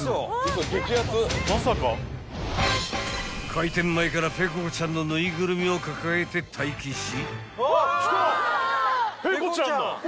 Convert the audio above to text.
［開店前からペコちゃんの縫いぐるみを抱えて待機し］